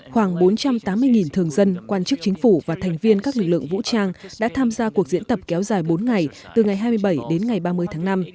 khoảng bốn trăm tám mươi thường dân quan chức chính phủ và thành viên các lực lượng vũ trang đã tham gia cuộc diễn tập kéo dài bốn ngày từ ngày hai mươi bảy đến ngày ba mươi tháng năm